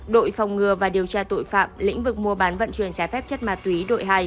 đội phòng ngừa và điều tra tội phạm lĩnh vực mua bán vận chuyển trái phép chất ma túy đội hai